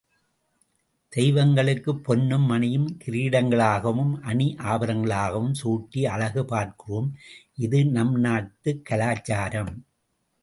தெய்வங்களுக்குப் பொன்னும் மணியும் கிரீடங்களாகவும் அணி ஆபரணங்களாகவும் சூட்டி அழகு பார்க்கிறோம், இது நம் நாட்டுக் கலாச்சாரம்.